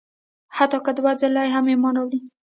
حتی که دوه ځله هم ایمان راوړي.